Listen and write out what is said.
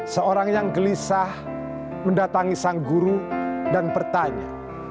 seorang yang gelisah mendatangi sang guru dan bertanya